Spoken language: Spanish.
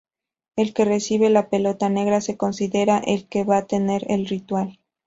El que recibe la pelota negra, se considera el que va tener el ritual.